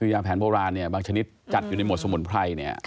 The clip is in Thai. ยาแผนโบราณบางชนิดจัดอยู่ในหมวดสมุนไพร